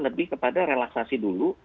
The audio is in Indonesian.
lebih kepada relaksasi dulu